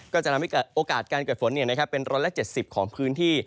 ก็จะทำให้โอกาสการเกิดฝนเป็น๑๗๐ของพื้นที่